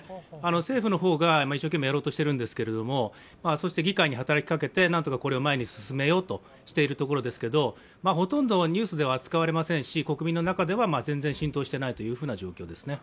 政府の方が一生懸命やろうとしているんですけれども、議会に働きかけて、何とかことを進めようとしているところですがほとんど、ニュースでは扱われませんし国民の中では全然浸透していないという状況ですね。